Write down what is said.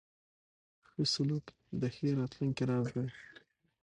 ښه سلوک د ښې راتلونکې راز دی.